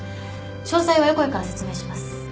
詳細は横井から説明します。